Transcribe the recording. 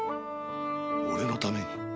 俺のために？